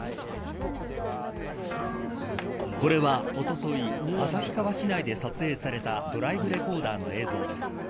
これは、おととい旭川市内で撮影されたドライブレコーダーの映像です。